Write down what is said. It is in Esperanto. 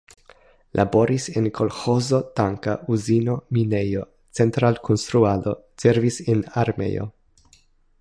Laboris en kolĥozo, tanka uzino, minejo, central-konstruado, servis en armeo.